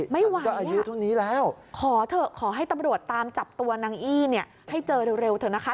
ไม่ไหวค่ะขอให้ตำรวจตามจับตัวนางอี้ให้เจอเร็วเถอะนะคะ